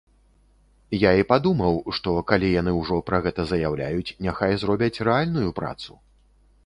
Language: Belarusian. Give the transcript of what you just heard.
Я і падумаў, што, калі яны ўжо пра гэта заяўляюць, няхай зробяць рэальную працу.